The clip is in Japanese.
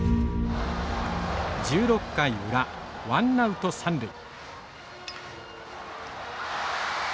１６回裏ワンナウト三塁。